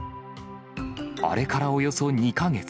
あれからおよそ２か月。